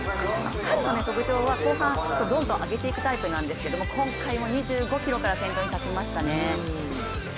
彼の特徴は後半、どんどん上げていくタイプなんですけど今回も２５ｋｍから先頭に立ちましたね。